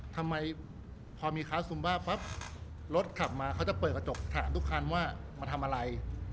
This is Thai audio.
ทำไมพอมีค้าซุมบ้าปั๊บรถขับมาเขาจะเปิดกระจกถามทุกคันว่ามาทำอะไร